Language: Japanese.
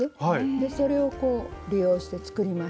それをこう利用して作りました。